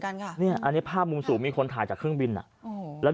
กันค่ะเนี่ยอันนี้ภาพมุมสูงมีคนถ่ายจากเครื่องบินอ่ะอ๋อแล้ว